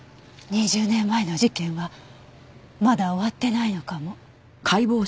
２０年前の事件はまだ終わってないのかも。